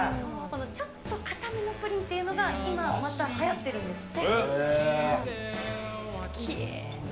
ちょっと硬めのプリンっていうのが今、またはやってるんですって。